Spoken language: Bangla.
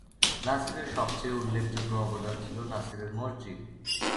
নাসিরের সবচেয়ে উল্লেখযোগ্য অবদান ছিল নাসিরের মসজিদ।